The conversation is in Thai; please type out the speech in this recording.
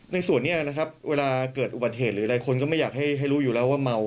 ในส่วนนี้นะครับเวลาเกิดอุบัติเหตุหรืออะไรคนก็ไม่อยากให้รู้อยู่แล้วว่าเมา